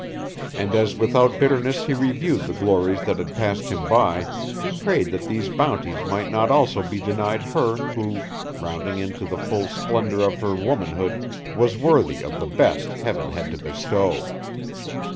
And as without bitterness he reviewed the glories that had passed him by, he prayed that these bounties might not also be denied her who, rounding into the full splendor of her womanhood, was worthy of the best heaven had to bestow.